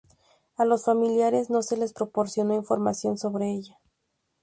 A los familiares no se les proporcionó información sobre ella.